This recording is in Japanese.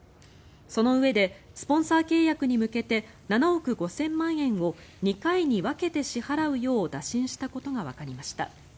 そのうえでスポンサー契約に向けて７億５０００万円を２回に分けて支払うよう打診したことがわかりました。